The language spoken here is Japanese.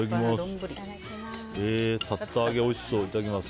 いただきます。